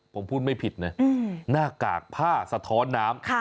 ผมพูดไม่ผิดนะหน้ากากผ้าสะท้อนน้ำ